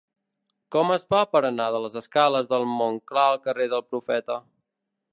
Com es fa per anar de les escales de Montclar al carrer del Profeta?